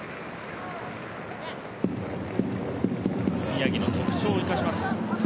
宮城の特徴を生かします。